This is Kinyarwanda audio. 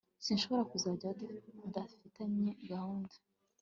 Sinshobora kuzajyayo tudafitanye gahunda